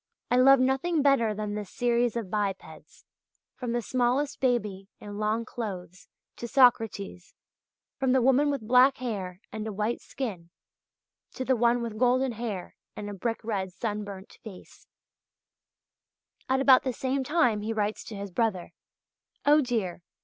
I love nothing better than this series of bipeds, from the smallest baby in long clothes to Socrates, from the woman with black hair and a white skin to the one with golden hair and a brick red sunburnt face" (page 85). At about the same time he writes to his brother: "Oh, dear!